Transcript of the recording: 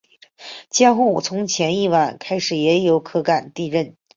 江户从前一晚开始也有可感地震。